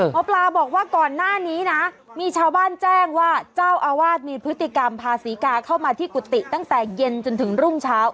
หมอปลาบอกว่าก่อนหน้านี้นะมีชาวบ้านแจ้งว่าเจ้าอาวาสมีพฤติกรรมพาศรีกาเข้ามาที่กุฏิตั้งแต่เย็นจนถึงรุ่งเช้า